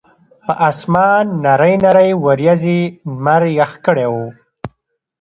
پۀ اسمان نرۍ نرۍ وريځې نمر يخ کړے وو